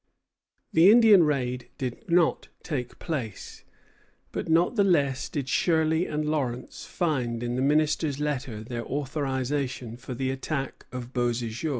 The Indian raid did not take place; but not the less did Shirley and Lawrence find in the Minister's letter their authorization for the attack of Beauséjour.